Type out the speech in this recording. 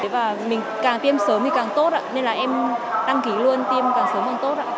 và mình càng tiêm sớm thì càng tốt nên là em đăng ký luôn tiêm càng sớm càng tốt ạ